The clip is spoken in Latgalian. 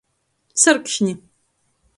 Sarkšni.